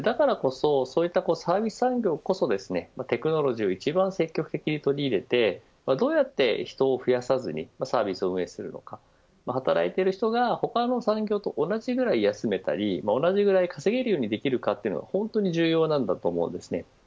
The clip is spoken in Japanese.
だからこそそういったサービス産業こそテクノロジを一番積極的に取り入れてどうやって人を増やさずにサービスを運営するのか働いて人が他の産業と同じくらい休めたり同じくらい稼げるようにできるのかが本当に重要なんだと思います。